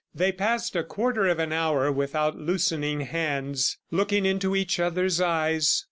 They passed a quarter of an hour without loosening hands, looking into each other's eyes.